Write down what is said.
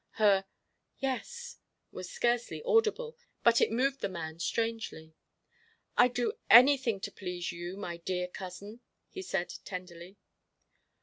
Her "yes" was scarcely audible, but it moved the man strangely. "I'd do anything to please you, my dear cousin," he said tenderly.